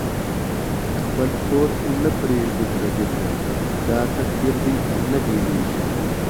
خپل پور نه پریږدی پردی ته، دا تقدیر دۍ نه بیلیږی